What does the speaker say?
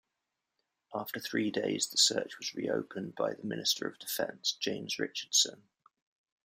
After three days the search was reopened by the Minister of Defence, James Richardson.